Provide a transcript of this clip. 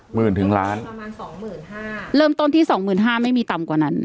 หมื่นถึงล้านประมาณสองหมื่นห้าเริ่มต้นที่สองหมื่นห้าไม่มีต่ำกว่านั้น